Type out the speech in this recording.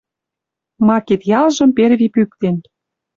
Ма кид-ялжым перви пӱктен